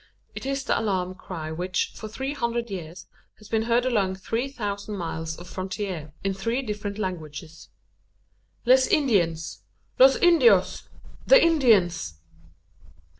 It is the alarm cry which, for three hundred years, has been heard along three thousand miles of frontier, in three different languages "Les Indiens! Los Indios! the Indians!"